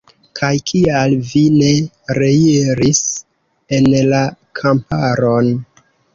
Kaj kial vi ne reiris en la kamparon?